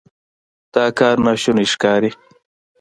دا کار ناشونی ښکاري.